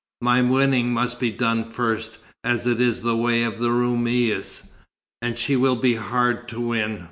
My winning must be done first, as is the way of the Roumis, and she will be hard to win.